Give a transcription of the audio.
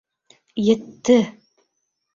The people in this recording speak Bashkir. Йтте!